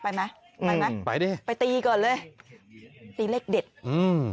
ไปนะไปเลยไปตีก่อนเลยตีเล็กเด็ดอืม